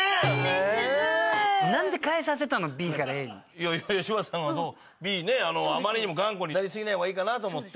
いやいや柴田さんがＢねあまりにも頑固になりすぎない方がいいかなと思って。